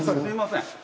すいません。